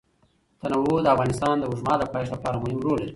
تنوع د افغانستان د اوږدمهاله پایښت لپاره مهم رول لري.